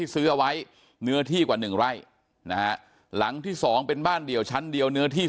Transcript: ซื้อเอาไว้เนื้อที่กว่า๑ไร่นะฮะหลังที่๒เป็นบ้านเดี่ยวชั้นเดียวเนื้อที่